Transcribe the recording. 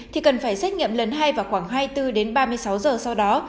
thì cần phải xét nghiệm lần hai vào khoảng hai mươi bốn đến ba mươi sáu giờ sau đó